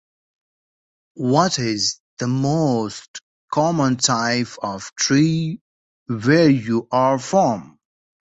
What is the most common type of tree where you are from?